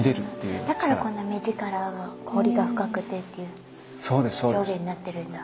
だからこんな目力がホリが深くてっていう表現になってるんだ。